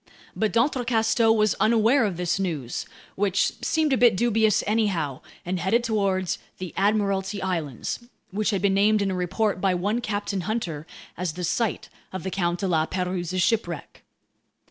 But d'Entrecasteaux was unaware of this news—which seemed a bit dubious anyhow—and headed toward the Admiralty Islands, which had been named in a report by one Captain Hunter as the site of the Count de La Pérouse's shipwreck.